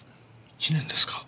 １年ですか。